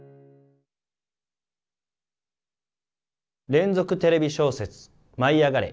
連続テレビ小説「舞いあがれ！」